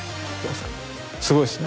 すごいですね。